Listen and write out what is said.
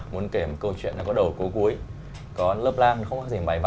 muốn kể một câu chuyện có đầu có cuối